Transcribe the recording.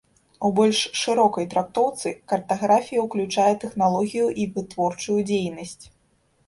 У больш шырокай трактоўцы картаграфія ўключае тэхналогію і вытворчую дзейнасць.